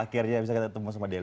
akhirnya bisa ketemu sama damien ya